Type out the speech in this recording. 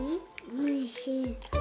おいしい。